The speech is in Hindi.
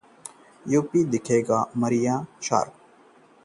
यूएस ओपन में दिखेगा मारिया शारापोवा का जलवा